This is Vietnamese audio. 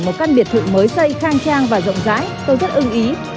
một căn biệt thự mới xây khang trang và rộng rãi tôi rất ưng ý